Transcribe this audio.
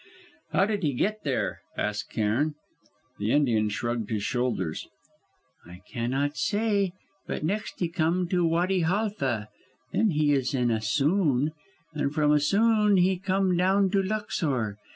"How did he get there?" asked Cairn. The Indian shrugged his shoulders. "I cannot say, but next he come to Wady Halfa, then he is in Assouan, and from Assouan he come down to Luxor!